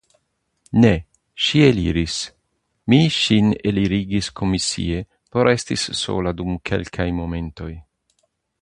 Ne, ŝi eliris; mi ŝin elirigis komisie por esti sola dum kelkaj momentoj.